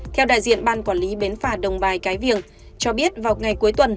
theo đại diện ban quản lý bến phà đồng bài cái viềng cho biết vào ngày cuối tuần